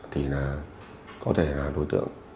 thì là có thể là đối tượng